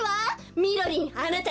みろりんあなた